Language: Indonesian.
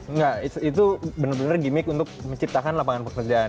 enggak itu benar benar gimmick untuk menciptakan lapangan pekerjaan